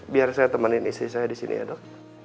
biar saya temanin istri saya disini ya dok